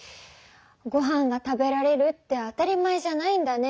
ごはんが食べられるって当たり前じゃないんだね。